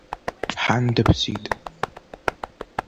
Ҳан дыԥсит…